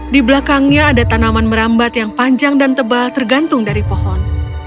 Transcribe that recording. di belakangnya ada tanaman merambat yang panjang dan tebal tergantung dari pohon